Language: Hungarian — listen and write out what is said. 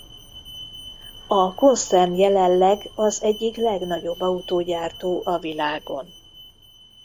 A konszern jelenleg az egyik legnagyobb autógyártó a világon.